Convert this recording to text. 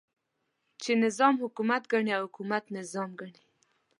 چې نظام حکومت ګڼي او حکومت نظام ګڼي.